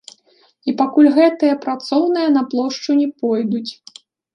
І пакуль гэтыя працоўныя на плошчу не пойдуць.